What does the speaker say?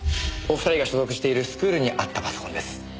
お二人が所属しているスクールにあったパソコンです。